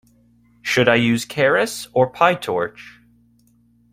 Should I use Keras or Pytorch?